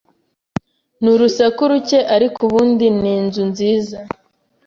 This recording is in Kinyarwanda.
Ni urusaku ruke, ariko ubundi ni inzu nziza.